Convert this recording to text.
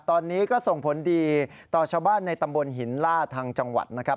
ตอนนี้ก็ส่งผลดีต่อชาวบ้านในตำบลหินล่าทางจังหวัดนะครับ